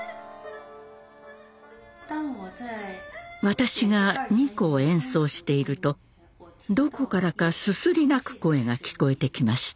私が二胡を演奏しているとどこからかすすり泣く声が聞こえてきました。